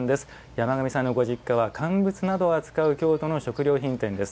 山上さんのご実家は乾物などを扱う京都の食料品店です。